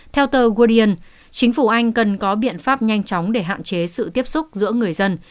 theo tờ gudeien chính phủ anh cần có biện pháp nhanh chóng để hạn chế sự tiếp xúc giữa người dân